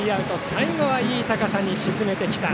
最後はいい高さに沈めてきた。